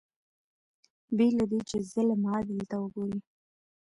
بې له دې چې ظلم عدل ته وګوري